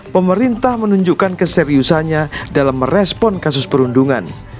pemerintah menunjukkan keseriusannya dalam merespon kasus perundungan